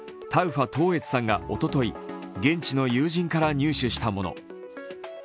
タウファ統悦さんがおととい、現地の友人から入手したもの。